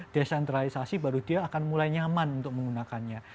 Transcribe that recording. desentralisasi baru dia akan mulai nyaman untuk menggunakannya